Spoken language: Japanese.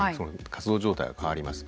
活動状態が変わります。